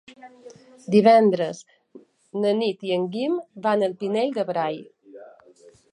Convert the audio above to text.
Divendres na Nit i en Guim van al Pinell de Brai.